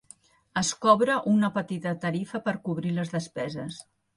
Es cobra una petita tarifa per cobrir les despeses.